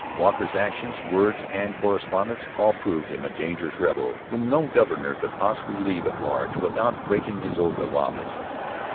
Walker's actions, words, and correspondence all proved him a dangerous rebel whom no governor could possibly leave at large without breaking his oath of office.